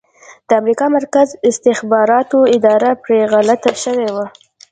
د امریکا مرکزي استخباراتو اداره پرې غلط شوي وو